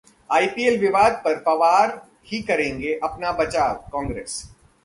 IPL विवाद पर पवार ही करेंगे अपना बचावः कांग्रेस